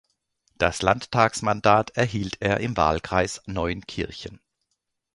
Das Landtagsmandat erhielt er im Wahlkreis Neunkirchen.